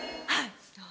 はい。